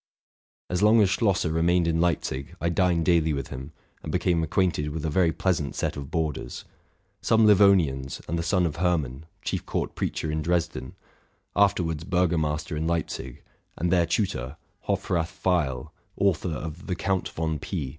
As long as Schlosser remained in Leipzig, I dined daily with him, and became acquainted with a very pleasant set of boarders. Some Livonians. and the son of Hermann (chief court preacher in Dresden), afterwards burgomaster in Leip zig, and their tutor, Hofrath Pfeil, author of the '' Count yon P.